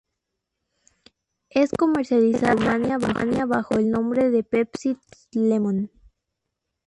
Es comercializada en Rumania bajo el nombre de Pepsi Twist Lemon.